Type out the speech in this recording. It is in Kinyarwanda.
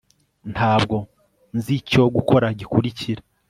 ntabwo nzi icyo gukora gikurikira